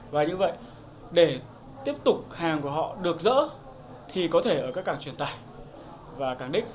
và như vậy để tiếp tục hàng của họ được dỡ thì có thể ở các cảng truyền tải và cảng đích